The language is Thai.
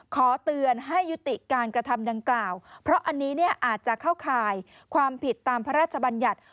ขอเตือนให้ยุติการกระทำดังกล่าวเพราะอันนี้เนี่ยอาจจะเข้าข่ายความผิดตามพระราชบัญญัติ